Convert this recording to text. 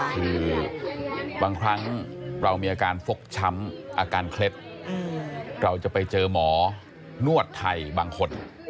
คือบางครั้งเรามีอาการฟกช้ำอาการเคล็ดเราจะไปเจอหมอนวดไทยบางคน